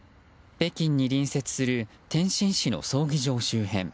北京に隣接する天津市の葬儀場周辺。